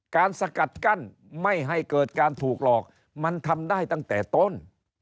สกัดกั้นไม่ให้เกิดการถูกหลอกมันทำได้ตั้งแต่ต้น